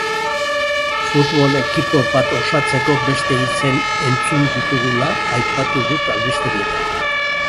Futbol ekipo bat osatzeko beste izen entzun ditugula, aipatu dut albistegietan.